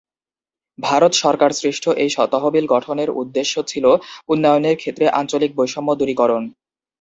ভারত সরকার সৃষ্ট এই তহবিল গঠনের উদ্দেশ্য ছিল উন্নয়নের ক্ষেত্রে আঞ্চলিক বৈষম্য দূরীকরণ।